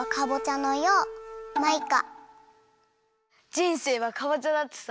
「人生はかぼちゃ」だってさ。